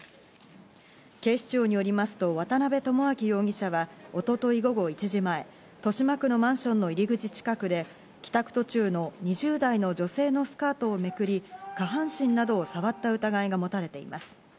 警視庁によりますと渡辺智朗容疑者は一昨日午後１時前、豊島区のマンションの入り口近くで、帰宅途中の２０代の女性のスカートをめくり、下半身などを触った疑いが持たれています。